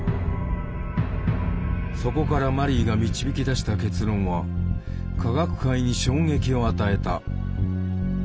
そこからマリーが導き出した結論は科学界に衝撃を与えた。